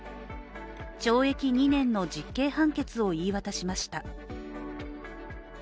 懲役２年の実刑判決を言い渡しました。